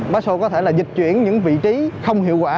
bác sô có thể là dịch chuyển những vị trí không hiệu quả